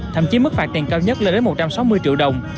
thậm chí mức phạt tiền cao nhất lên đến một trăm sáu mươi triệu đồng